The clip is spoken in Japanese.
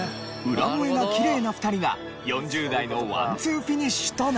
裏声がきれいな２人が４０代のワンツーフィニッシュとなりました。